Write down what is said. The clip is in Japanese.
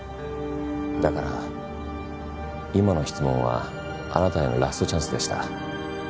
だから今の質問はあなたへのラストチャンスでした。